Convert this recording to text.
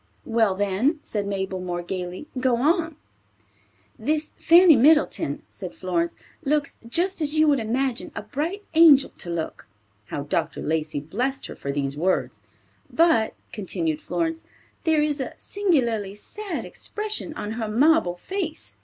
"Well, then," said Mabel, more gayly, "go on," "This Fanny Middleton," said Florence, "looks just as you would imagine a bright angel to look." How Dr. Lacey blessed her for these words. "But," continued Florence, "there is a singularly sad expression on her marble face."